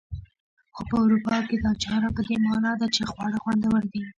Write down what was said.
خو په اروپا کې دا چاره په دې مانا ده چې خواړه خوندور دي.